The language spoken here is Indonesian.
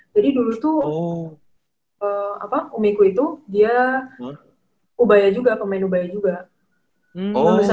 jadi dulu tuh umiku itu dia ubaya juga pemain ubaya juga